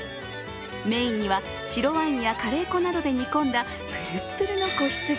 メインには、白ワインやカレー粉などで煮込んだぷるっぷるの子羊。